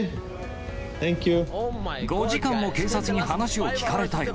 ５時間も警察に話を聞かれたよ。